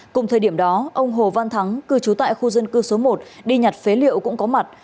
cùng thời điểm đó ông hồ văn thắng cư trú tại khu dân cư số một đi nhặt phế liệu cũng có mặt